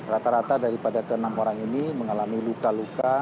rata rata daripada ke enam orang ini mengalami luka luka